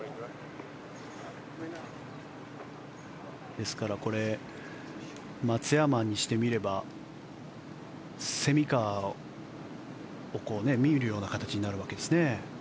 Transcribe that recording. ですから、これ松山にしてみれば蝉川を見るような形になるわけですね。